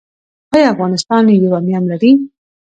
آیا افغانستان یورانیم لري؟